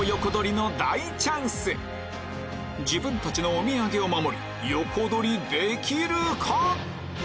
自分たちのお土産を守り横取りできるか？